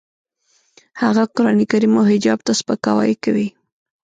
هغه قرانکریم او حجاب ته سپکاوی کوي